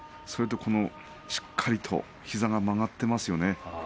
それとしっかりと膝が曲がっていますよね。